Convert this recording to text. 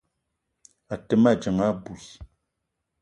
A te ma dzeng abui.